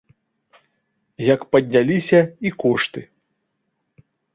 Як падняліся і кошты.